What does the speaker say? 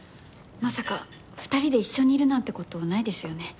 まさか２人で一緒にいるなんて事ないですよね？